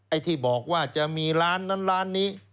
ไอ้ที่บอกว่าจะมีร้านนั้นร้านนี้